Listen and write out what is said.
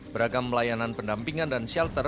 beragam layanan pendampingan dan shelter